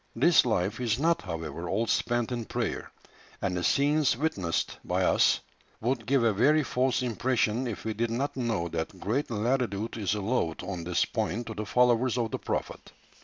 This life is not, however, all spent in prayer, and the scenes witnessed by us would give a very false impression if we did not know that great latitude is allowed on this point to the followers of the prophet."